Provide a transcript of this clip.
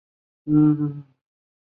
大学时代所属落语研究会。